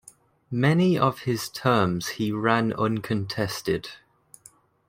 Many of his terms he ran uncontested.